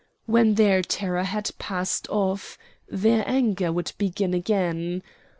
When their terror had passed off their anger would begin again.